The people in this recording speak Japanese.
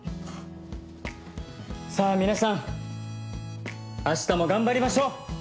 さあ皆さん明日も頑張りましょう！